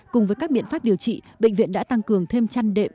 cùng với các biện pháp điều trị bệnh viện đã tăng cường thêm chăn đệm